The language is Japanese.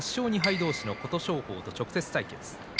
同士の琴勝峰と直接対決。